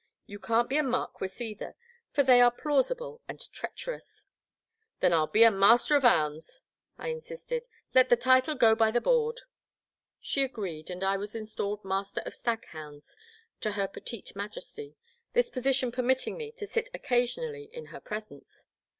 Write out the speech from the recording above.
You can't be a marquis either, for they are plausible and treacherous '* Then I '11 be a Master of 'Ounds," I insisted, " let the title go by the board." She agreed, and I was installed Master of Stag hounds to her petite Majesty — ^this position per mitting me to sit occasionally in her presence.